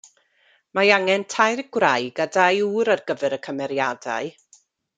Mae angen tair gwraig a dau ŵr ar gyfer y cymeriadau.